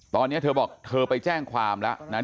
ตอนนี้เธอบอกเธอไปแจ้งความแล้วนะ